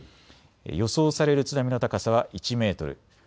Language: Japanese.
予想される津波の高さは１メートルです。